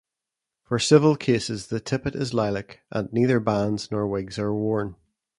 For civil cases the tippet is lilac and neither bands nor wigs are worn.